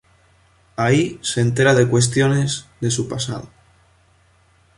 Ahí se entera de cuestiones de su pasado.